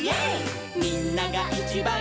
「みんながいちばん」